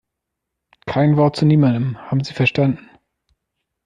Kein Wort zu niemandem, haben Sie verstanden?